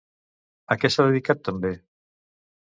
A què s'ha dedicat també?